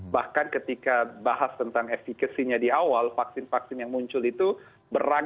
bahkan ketika bahas tentang efekasinya di awal vaksin vaksin yang muncul itu beragam level of efekasinya